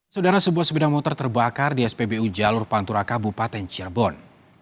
saudara sebuah sepeda motor terbakar di spbu jalur pantura kabupaten cirebon